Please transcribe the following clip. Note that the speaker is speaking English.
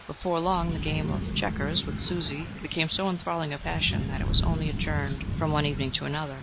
Before long the game of chequers with Susie became so enthralling a passion that it was only adjourned from one evening to another.